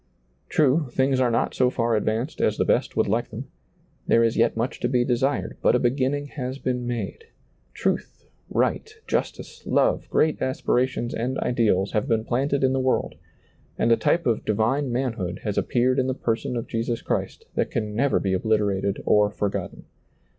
True, things are not so Cir advanced as the best would like them ; there is yet much to be desired, but a beginning has been made. Truth, right, justice, love, great aspirations and ideals have been planted in the world, and a type of divine manhood has appeared in the person of Jesus Christ that can never be ^lailizccbvGoOgle A THANKSGIVING SERMON 163 obliterated or forgotten.